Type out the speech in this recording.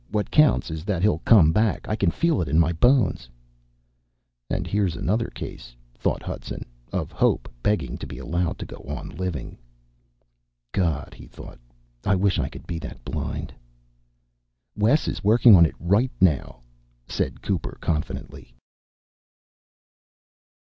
"What counts is that he'll come back. I can feel it in my bones." And here's another case, thought Hudson, of hope begging to be allowed to go on living. God, he thought, I wish I could be that blind! "Wes is working on it right now," said Cooper confidently.